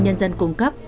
nhân dân cung cấp